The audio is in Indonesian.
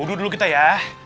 uduh dulu kita ya